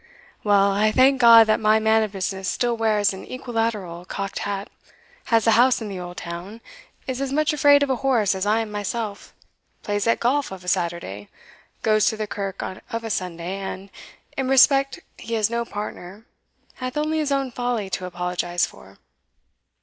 Well, I thank God that my man of business still wears an equilateral cocked hat, has a house in the Old Town, is as much afraid of a horse as I am myself, plays at golf of a Saturday, goes to the kirk of a Sunday, and, in respect he has no partner, hath only his own folly to apologize for."